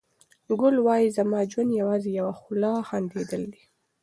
ګل وايي چې زما ژوند یوازې یوه خوله خندېدل دي.